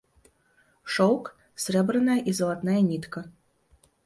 Шоўк, срэбраная і залатная нітка.